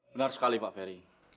benar sekali pak ferry